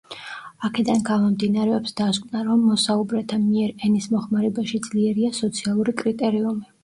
აქედან გამომდინარეობს დასკვნა, რომ მოსაუბრეთა მიერ ენის მოხმარებაში ძლიერია სოციალური კრიტერიუმი.